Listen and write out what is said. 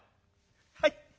「はい。